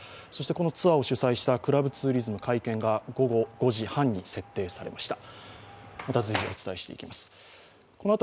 ツアーを主催したクラブツーリズム会見が午後５時半に設定されました。